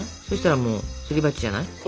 そしたらもうすり鉢じゃない？